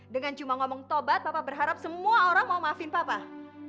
dengan cuma ngomong tobat bapak berharap semua orang mau maafin papa